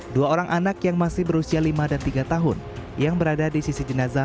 dua orang anak yang masih berusia lima dan tiga tahun yang berada di sisi jenazah